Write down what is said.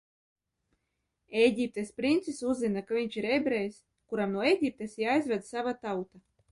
Ēģiptes princis uzzina, ka viņš ir ebrejs, kuram no Ēģiptes jāizved sava tauta.